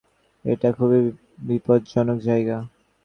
এটা খুবই বিপজ্জনক জায়গা।